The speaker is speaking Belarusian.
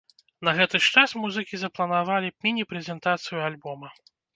На гэты ж час музыкі запланавалі міні-прэзентацыю альбома.